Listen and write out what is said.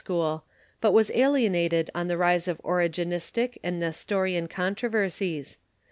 school, but Avas alienated on the rise of the Ongenis tic and Xestorian controversies.